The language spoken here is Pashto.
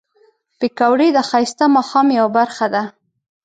پکورې د ښایسته ماښام یو برخه ده